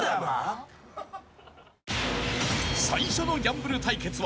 ［最初のギャンブル対決は］